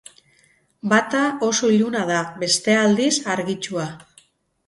Bata oso iluna da, bestea aldiz, argitsua.